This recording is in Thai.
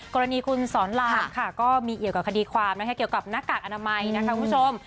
กรณีคุณสอนรามค่ะก็มีเกี่ยวกับคดีความนะคะเกี่ยวกับหน้ากากอนามัยนะคะคุณผู้ชม